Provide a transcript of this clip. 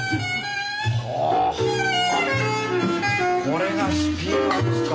あっこれがスピーカーですか。